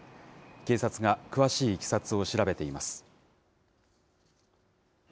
警察が詳しいいきさつを調べています。